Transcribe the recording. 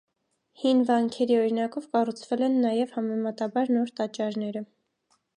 Հին վանքերի օրինակով կառուցվել են նաև համեմատաբար նոր տաճարները։